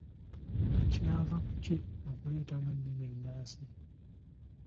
Kyava ku ki okuleetamu ennimi ennansi?